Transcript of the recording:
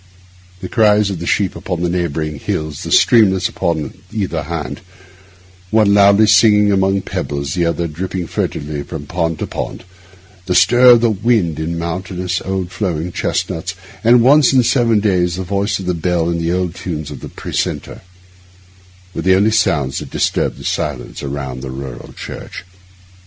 The cries of the sheep upon the neighbouring hills, the streamlets upon either hand, one loudly singing among pebbles, the other dripping furtively from pond to pond, the stir of the wind in mountainous old flowering chestnuts, and once in seven days the voice of the bell and the old tunes of the precentor, were the only sounds that disturbed the silence around the rural church.